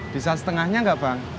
bisa setengahnya gak bang